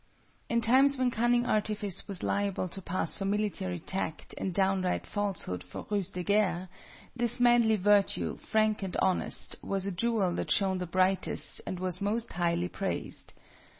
In times when cunning artifice was liable to pass for military tact and downright falsehood for ruse de guerre, this manly virtue, frank and honest, was a jewel that shone the brightest and was most highly praised.